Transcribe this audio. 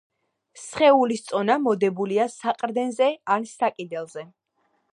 სხეულის წონა მოდებულია საყრდენზე ან საკიდელზე